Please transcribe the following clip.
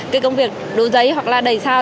cái công việc đồ giấy hoặc là đẩy sao